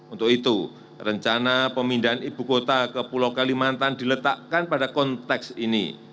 untuk itu rencana pemindahan ibu kota ke pulau kalimantan diletakkan pada konteks ini